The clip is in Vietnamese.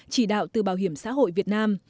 chỉ đạo từ bảo hiểm xã hội việt nam